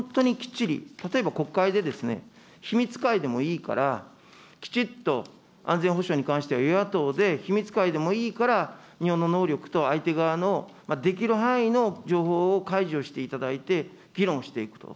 こういった点を本当にきっちり、例えば、国会で秘密会でもいいから、きちっと、安全保障に関しては与野党でひみつかいでもいいから、日本の能力と相手側のできる範囲の情報を開示をしていただいて、議論していくと。